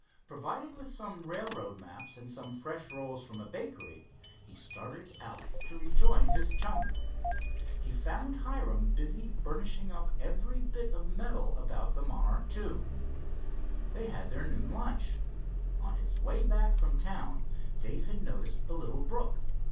Provided with some railroad maps, and some fresh rolls from a bakery, he started out to rejoin his chum. He found Hiram busy burnishing up every bit of metal about the Monarch II. They had their noon lunch. On his way back from town Dave' had noticed a little brook.